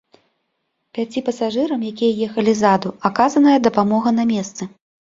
Пяці пасажырам, якія ехалі ззаду, аказаная дапамога на месцы.